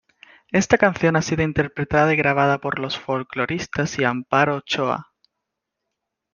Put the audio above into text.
Esta canción ha sido interpretada y grabada por Los Folkloristas y Amparo Ochoa.